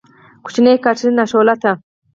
کوچنۍ کاترین، ناشولته!